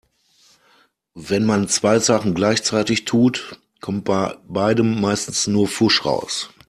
Wenn man zwei Sachen gleichzeitig tut, kommt bei beidem meistens nur Pfusch raus.